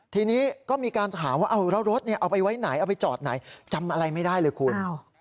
ทีนี้ก็มีการถามว่าเอาแล้วรถเอาไปไว้ไหนเอาไปจอดไหนจำอะไรไม่ได้เลยคุณ